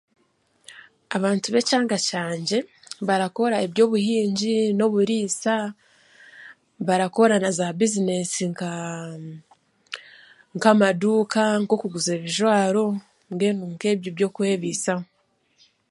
Abantu b'ekyanga kyangye barakora ebyobuhingi n'oburiisa, barakora n'aza bizinesi nka, nkaaa, nk'amaduuka, nk'okuguza ebijwaro, mbwenu nk'ebyo ebyokwebiisaho.